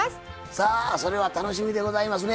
さあそれは楽しみでございますね。